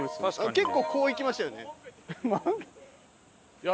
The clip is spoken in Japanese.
結構こう行きましたよね。